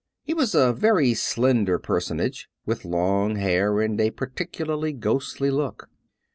He was a very slender personage, with long hair and a particularly ghostly look.